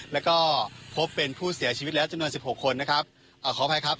แล้วก็พบเป็นผู้เสียชีวิตแล้วจำนวนสิบหกคนนะครับอ่าขออภัยครับ